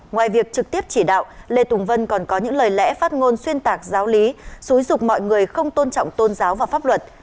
ngoài việc trực tiếp chỉ đạo lê tùng vân còn có những lời lẽ phát ngôn xuyên tạc giáo lý xúi dục mọi người không tôn trọng tôn giáo và pháp luật